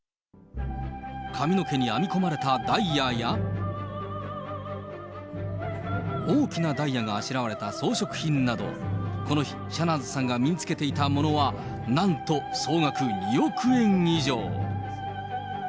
髪の毛に編み込まれたダイヤや、大きなダイヤがあしらわれた装飾品など、この日、シャナーズさんが身につけていたものはなんと総額２億円以上。